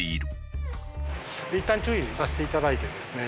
いったん注意させていただいてですね